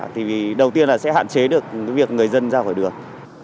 thì đầu tiên là sẽ hạn chế được việc người dân ra khỏi đường